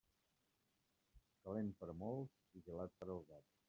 Calent, per a molts, i gelat, per al gat.